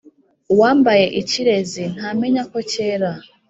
Uwambaye ikirezi ntamenya ko cyera.